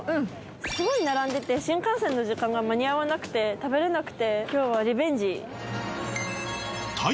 すごい並んでて新幹線の時間が間に合わなくて食べれなくて今日はリベンジ